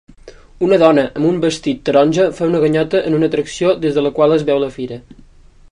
Una dona amb un vestit taronja fa una ganyota en una atracció des de la qual es veu la fira.